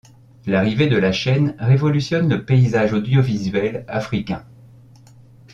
L'arrivée de la chaîne révolutionne le paysage audiovisuel africain.